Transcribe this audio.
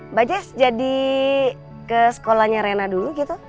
mbak jes jadi ke sekolahnya rena dulu gitu